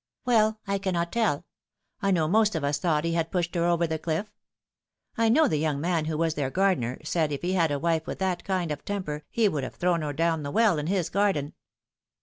" Well, I cannot tell ; I know most of us thought he had pushed her over the cliff. I know the young man who was their gardener said if he had had a wife with that kind of temper he would have thrown her down the well in his garden."